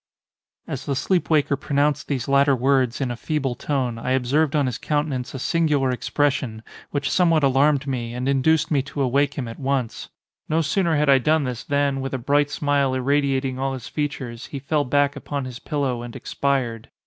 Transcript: As the sleep waker pronounced these latter words, in a feeble tone, I observed on his countenance a singular expression, which somewhat alarmed me, and induced me to awake him at once. No sooner had I done this, than, with a bright smile irradiating all his features, he fell back upon his pillow and expired.